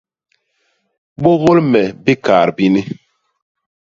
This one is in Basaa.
Bôgôl me bikaat bini!